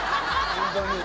ホントに。